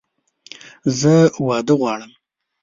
زه واده غواړم!